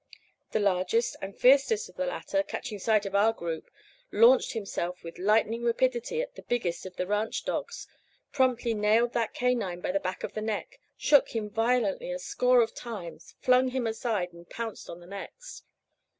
The largest and fiercest of the latter, catching sight of our group, launched himself with lightning rapidity at the biggest of the ranch dogs, promptly nailed that canine by the back of the neck, shook him violently a score of times, flung him aside, and pounced on the next.